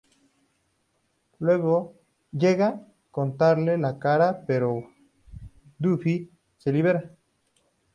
Llega cortarle la cara pero Buffy se libera.